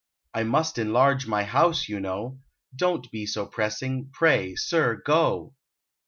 I must enlarge my house, you know. Don't be so pressing, pray, sir, go."